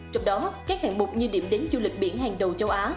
trong đó các hạng mục như điểm đến du lịch biển hàng đầu châu á